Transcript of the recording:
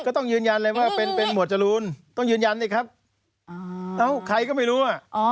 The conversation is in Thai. ก็ต้องยืนยันเลยว่าเป็นหมวดจรูนต้องยืนยันสิครับแล้วใครก็ไม่รู้อ่ะ